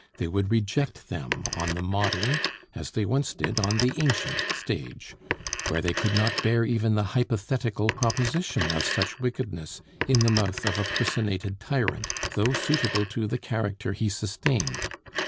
They would reject them on the modern, as they once did on the ancient stage, where they could not bear even the hypothetical proposition of such wickedness in the mouth of a personated tyrant, though suitable to the character he sustained.